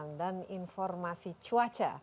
ekspedisi indonesia prima